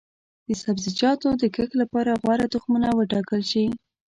د سبزیجاتو د کښت لپاره غوره تخمونه وټاکل شي.